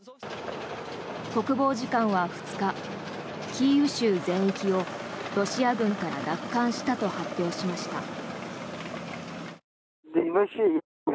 国防次官は２日キーウ州全域をロシア軍から奪還したと発表しました。